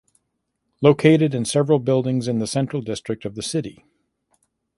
Located in several buildings in the central district of the city.